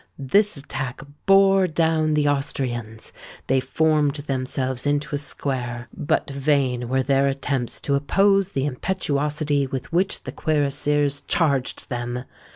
This attack bore down the Austrians. They formed themselves into a square; but vain were their attempts to oppose the impetuosity with which the cuirassiers charged them.